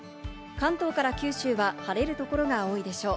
関東から九州は晴れる所が多いでしょう。